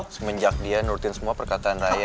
semenjak dia nurutin semua perkataan raya